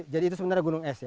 jadi itu sebenarnya gunung utama